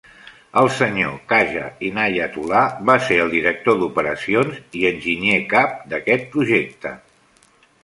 El senyor Khaja Inayath ullah va ser el director d'operacions i enginyer cap d'aquest projecte.